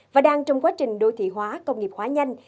và đang trong quá trình đô thị hóa công nghiệp hóa nhanh